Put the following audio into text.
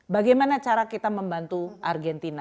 bagaimana cara kita membantu argentina